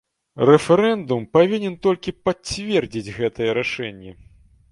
Рэферэндум павінен толькі пацвердзіць гэтае рашэнне.